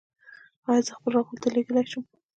ایا زه خپل راپور درلیږلی شم؟